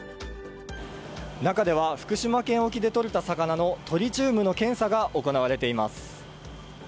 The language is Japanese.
中では、福島県沖でとれた魚のトリチウムの検査が行われています。